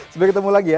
sebelah ketemu lagi ya